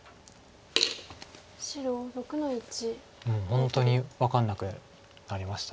本当に分かんなくなりました